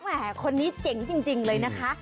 แหมคนนี้เจ๋งจริงเลยนะคะ